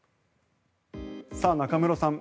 中室さん